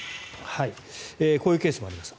こういうケースもあります。